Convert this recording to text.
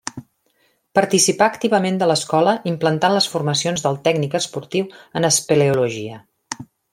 Participà activament de l'escola implantant les formacions del Tècnic Esportiu en Espeleologia.